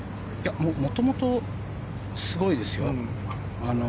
もともとすごいですよ。